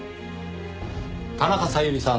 田中小百合さん